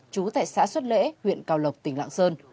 trú tại xã xuất lễ huyện cao lộc tỉnh lạng sơn